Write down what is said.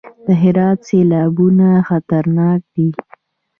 د هرات سیلابونه خطرناک دي